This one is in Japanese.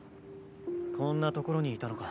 ・こんな所にいたのか。